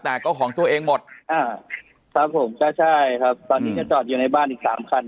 แต่ก็ของตัวเองหมดอ่าครับผมก็ใช่ครับตอนนี้จะจอดอยู่ในบ้านอีกสามคัน